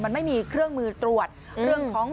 มันไม่มีเครื่องมือตรวจเรื่องของ